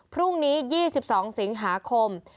พรุ่งนี้๒๒สิงหาคม